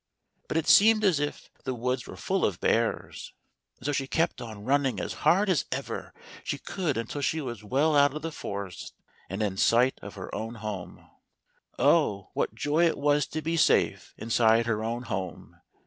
But it seemed as if the woods were full of bears, and so she kept on running as hard as ever she could until she was well out ol the forest, and in sight of her own home O what joy it was to be safe inside her own home